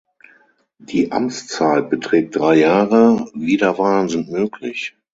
Die Amtszeit beträgt drei Jahre, Wiederwahlen sind möglich.